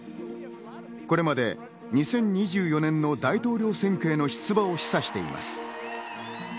これまで２０２４年の大統領選挙の出馬を示唆しています。